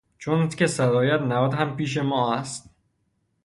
چونکه صد آید نود هم پیش ما است.